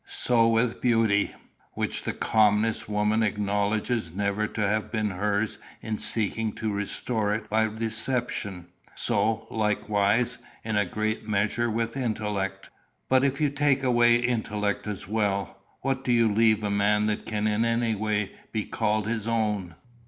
So with beauty, which the commonest woman acknowledges never to have been hers in seeking to restore it by deception. So, likewise, in a great measure with intellect." "But if you take away intellect as well, what do you leave a man that can in any way be called his own?"